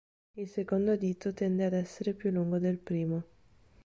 Il secondo dito tende ad essere più lungo del primo.